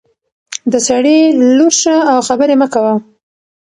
د سړي لور شه او خبرې مه کوه.